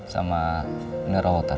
sama mineral water